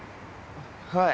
はい。